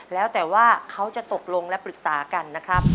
แล้วแต่ว่าเขาจะตกลงและปรึกษากันนะครับ